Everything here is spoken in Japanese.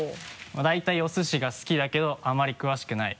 まぁ大体おすしが好きだけどあまり詳しくない。